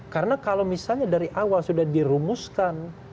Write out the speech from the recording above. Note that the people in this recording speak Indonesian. karena kalau misalnya dari awal sudah dirumuskan